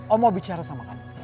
om mau bicara sama kamu